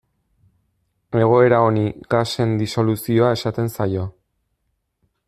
Egoera honi gasen disoluzioa esaten zaio.